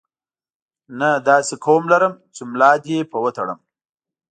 نه داسې قوم لرم چې ملا دې په وتړم.